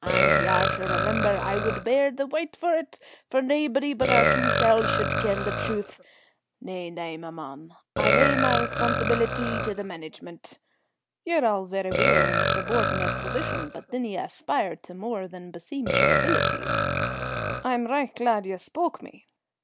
And ye are to remember I wad bear the wyte for 't, for naebody but our two sel's should ken the truth. Nay, nay, my mon. I hae my responsibeelities to the management. Ye're all verra weel in a subordinate position, but dinna ye aspire to more than beseems your abeelities. I am richt glad ye spoke me.